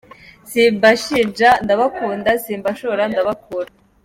Simbashinja ndabakunda simbashora ndabakura